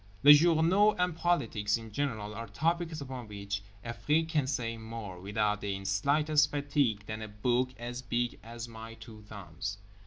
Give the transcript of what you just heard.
Les journaux and politics in general are topics upon which Afrique can say more, without the slightest fatigue, than a book as big as my two thumbs.